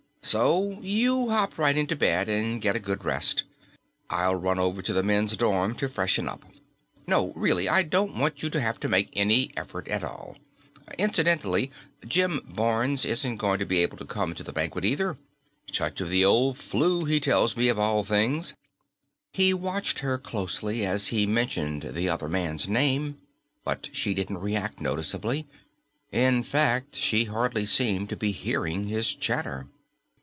So you hop right into bed and get a good rest. I'll run over to the men's dorm to freshen up. No, really, I don't want you to have to make any effort at all. Incidentally, Jim Barnes isn't going to be able to come to the banquet either touch of the old 'flu, he tells me, of all things." He watched her closely as he mentioned the other man's name, but she didn't react noticeably. In fact, she hardly seemed to be hearing his chatter.